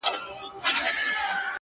ستا سترگي فلسفې د سقراط راته وايي”